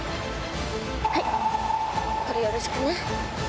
はいこれよろしくね。